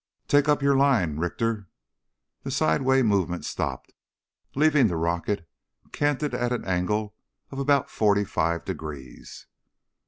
"Take up on your line, Richter." The sideward movement stopped, leaving the rocket canted at an angle of about forty five degrees.